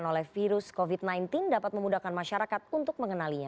oleh virus covid sembilan belas dapat memudahkan masyarakat untuk mengenalinya